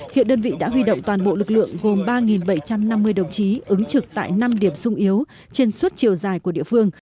hiện đơn vị đã huy động các cơ sở sản xuất dịch vụ công trình trên biển